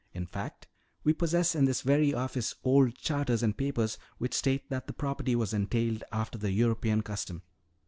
In fact, we possess in this very office old charters and papers which state that the property was entailed after the European custom.